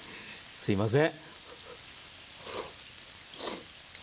すいません。